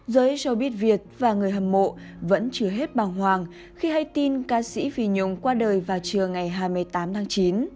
giới showbiz việt và người hâm mộ vẫn chừa hết bào hoàng khi hay tin ca sĩ phi nhung qua đời vào trưa ngày hai mươi tám tháng chín